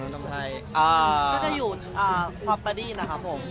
เสน่ห์ของขนมไทยเสน่ห์ของขนมไทยอ่าถ้าจะอยู่อ่าความประดิษฐ์นะครับผม